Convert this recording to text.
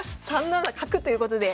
３七角ということで。